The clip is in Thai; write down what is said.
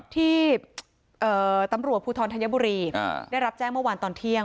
ที่ตำรวจภูทรธัญบุรีได้รับแจ้งเมื่อวานตอนเที่ยง